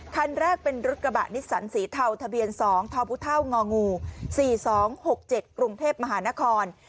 คันแรกเป็นรถกระบะนิสสันสีเทาทะเบียน๒ทพง๔๒๖๗กรุงเทพมหานคร